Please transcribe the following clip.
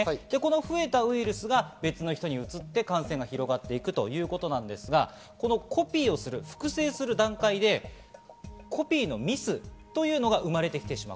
増えたウイルスが別の人にうつって感染が広がっていくということなんですが、このコピーをする複製する段階でコピーのミスというのが生まれてきてしまう。